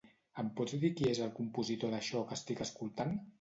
Em pots dir qui és el compositor d'això que estic escoltant?